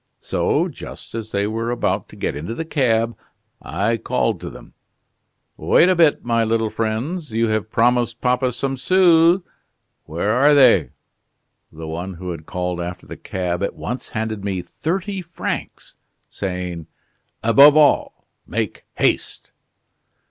So, just as they were about to get into the cab, I called to them: 'Wait a bit, my little friends, you have promised papa some sous; where are they?' The one who had called after the cab at once handed me thirty francs, saying: 'Above all, make haste!